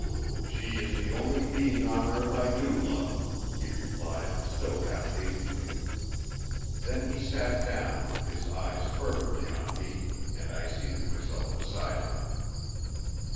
"She is the only being on earth I do love," he replied, still half dazedly. Then he sat down, his eyes furtively on me, and I seated myself beside him.